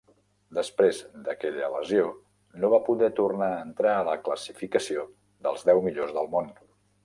Després d'aquella lesió, no va poder tornar a entrar a la classificació dels deu millors del món.